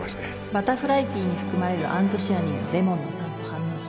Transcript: バタフライピーに含まれるアントシアニンがレモンの酸と反応して